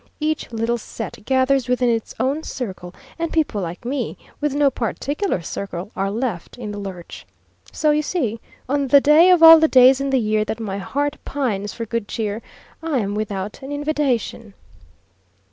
Each little set gathers within its own circle; and people like me, with no particular circle, are left in the lurch. So you see, on the day of all the days in the year that my heart pines for good cheer, I'm without an invitation.